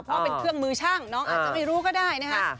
เพราะว่าเป็นเครื่องมือช่างน้องอาจจะไม่รู้ก็ได้นะคะ